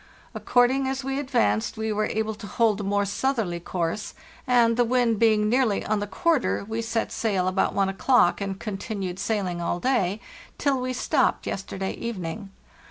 According as we advanced we were able to hold a more southerly course, and, the wind being nearly on the quarter, we set sail about 1 o'clock, and continued sailing all day till we stopped yesterday evening.